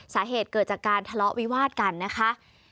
สาเหตุเกิดจากการทะเลาะวิวาดกันนะคะ